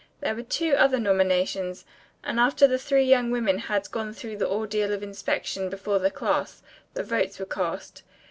There were two other nominations, and after the three young women had gone through the ordeal of inspection before the class, the votes were cast.